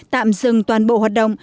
tạm dừng toàn bộ hoạt động